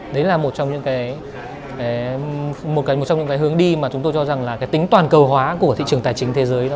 đấy là một trong những hướng đi mà chúng tôi cho rằng là tính toàn cầu hóa của thị trường tài chính thế giới